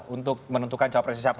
untuk menentukan capres siapa